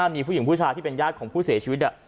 มีผู้หญิงผู้ชายที่เป็นญาติของผู้เสียชีวิต